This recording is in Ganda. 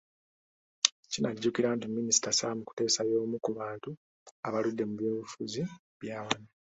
Kinajjukirwa nti Minisita Sam Kuteesa y'omu ku bantu abaludde mu by'obufuzi bya wano.